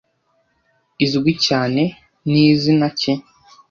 izwi cyane nizina ki